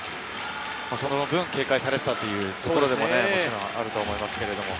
その分、警戒されたというところでもあると思いますけれど。